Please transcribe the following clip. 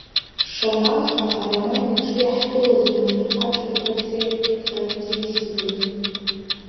Шамаха, ароман аҿы иаҳԥылаӡом афырхацәа рпатреҭтә характеристикагьы.